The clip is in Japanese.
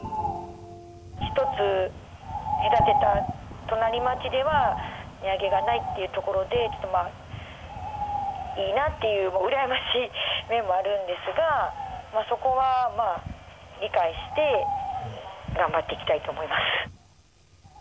１つ隔てた隣町では値上げがないっていうところで、ちょっとまあ、いいなあっていう、羨ましい面もあるんですが、そこは理解して頑張っていきたいと思います。